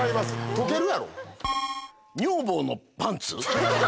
溶けるやろ。